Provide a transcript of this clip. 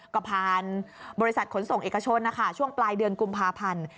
ก็ผ่านบริษัทขนส่งเอกชนนะคะช่วงปลายเดือนกุมภาพันธ์